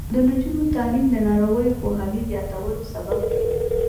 د نجونو تعلیم د ناروغیو پوهاوي زیاتولو سبب دی.